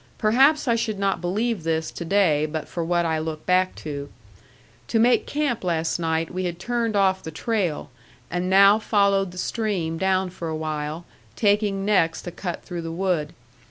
Perhaps I should not believe this to day but for what I look back to. To make camp last night we had turned off the trail, and now followed the stream down for a while, taking next a cut through the wood.